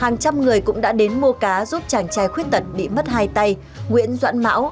hàng trăm người cũng đã đến mua cá giúp chàng trai khuyết tật bị mất hai tay nguyễn doãn mão